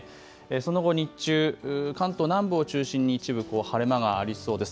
その後、日中関東南部を中心に一部晴れ間がありそうです。